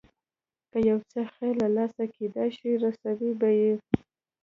که یو څه خیر له لاسه کېدای شي رسوو به یې.